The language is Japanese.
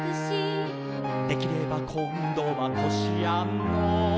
「できればこんどはこしあんの」